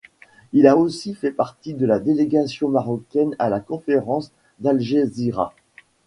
Il a aussi fait partie de la délégation marocaine à la Conférence d'Algésiras.